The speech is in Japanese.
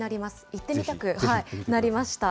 行ってみたくなりました。